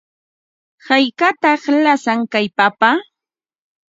¿Haykataq lasan kay papa?